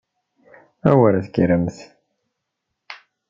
A wer tekkremt!